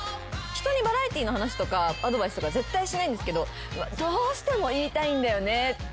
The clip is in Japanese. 人にバラエティーの話とかアドバイスとか絶対しないんですけどどうしても言いたいんだよねって。